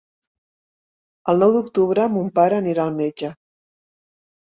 El nou d'octubre mon pare anirà al metge.